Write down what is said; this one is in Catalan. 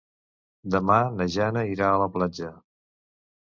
Demà na Jana irà a la platja.